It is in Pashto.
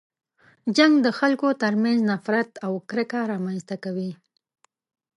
جنګ د خلکو تر منځ نفرت او کرکه رامنځته کوي.